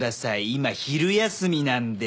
今昼休みなんで！